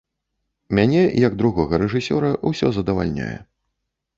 Мяне, як другога рэжысёра ўсё задавальняе.